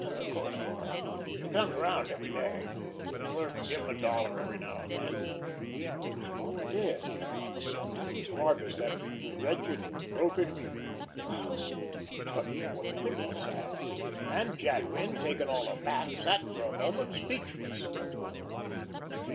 "Of course it was. He comes 'round every day. The clerks give him a dollar every now and then." "And he's not dead? And that was Hargus, that wretched, broken whew! I don't want to think of it, Sam!" And Jadwin, taken all aback, sat for a moment speechless.